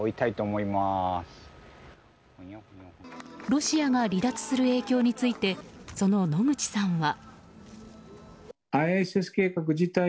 ロシアが離脱する影響について野口さんは。